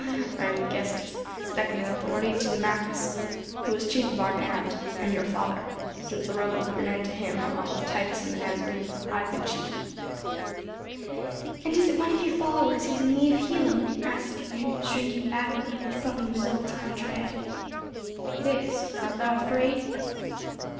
"I am Gestas; second in authority to Dumachus, who was chief of our band and your father. Since the Romans put an end to him, along with Titus and the Nazarene, I have been chief." "And is it one of your followers who is in need of healing?" asked Stephen, shrinking back a little with something of his old time dread. "It is. Art thou afraid?"